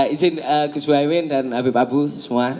izin gus bae win dan abib abu semua